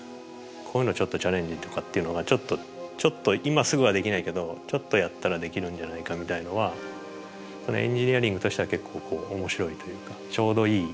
こういうのちょっとチャレンジとかっていうのがちょっと今すぐはできないけどちょっとやったらできるんじゃないかみたいなのはエンジニアリングとしては結構面白いというかちょうどいい